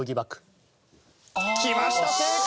きました正解！